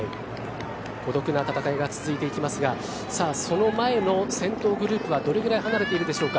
孤独な闘いが続いていきますがその前の先頭グループはどれぐらい離れているでしょうか。